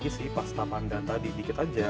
kita tambahin lagi si pasta pandan tadi dikit aja